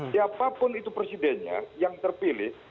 siapapun itu presidennya yang terpilih